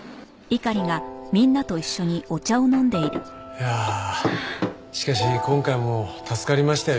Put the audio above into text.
いやあしかし今回も助かりましたよ